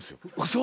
嘘！？